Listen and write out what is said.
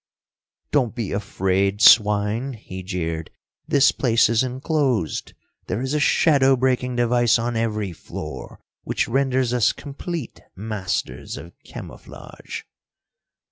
"Don't be afraid, swine," he jeered. "This place is enclosed. There is a shadow breaking device on every floor, which renders us complete masters of camouflage."